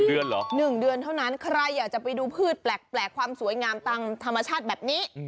เดือนเหรอ๑เดือนเท่านั้นใครอยากจะไปดูพืชแปลกความสวยงามตามธรรมชาติแบบนี้